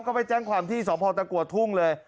ก็ไปแจ้งความที่สพตะกัวทุ่งเลย